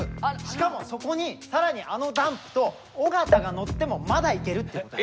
しかもそこに更にあのダンプと尾形が載ってもまだいけるってこと。